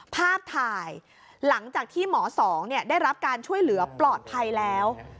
ภาพถ่ายหลังจากที่หมอสองได้รับการช่วยเหลือปลอดภัยแล้ว